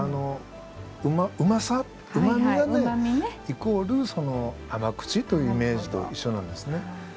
イコール甘口というイメージと一緒なんですね。